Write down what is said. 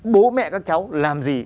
bố mẹ các cháu làm gì